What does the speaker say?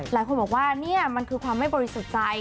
หลายคนบอกว่านี่มันคือความไม่บริสุทธิ์ใจ